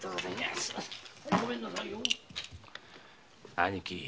兄貴。